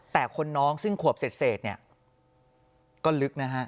แต่คนน้องซึ่งขวบเศษเนี่ยก็ลึกนะฮะ